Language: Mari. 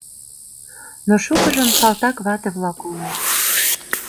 Но шукыжым салтак вате-влак улыт.